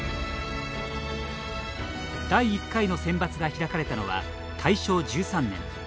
第１回のセンバツが開かれたのは大正１３年。